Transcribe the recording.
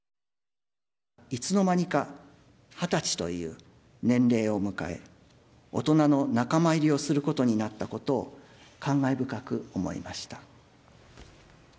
いつの間にか２０歳という年齢を迎え、大人の仲間入りをすることになったことを感慨深く思いました。